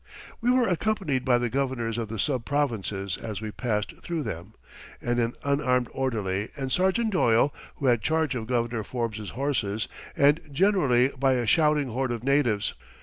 We were accompanied by the governors of the sub provinces as we passed through them, and an unarmed orderly and Sergeant Doyle, who had charge of Governor Forbes's horses, and generally by a shouting horde of natives.